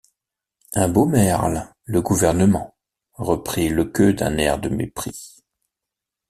Un beau merle, le gouvernement! reprit Lequeu d’un air de mépris.